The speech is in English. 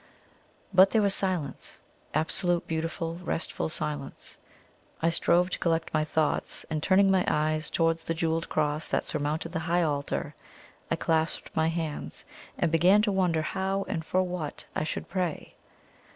But there was silence absolute, beautiful, restful silence. I strove to collect my thoughts, and turning my eyes towards the jewelled cross that surmounted the high altar, I clasped my hands, and began to wonder how and for what I should pray.